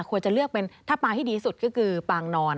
ควรจะเลือกเป็นถ้าปางที่ดีสุดก็คือปางนอน